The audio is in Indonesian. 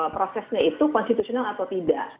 prosesnya itu konstitusional atau tidak